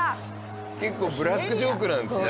結構ブラックジョークなんですね。